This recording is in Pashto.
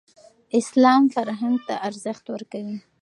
اسلام فرهنګ ته ارزښت ورکوي.